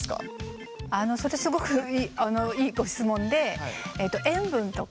それすごくいいご質問で。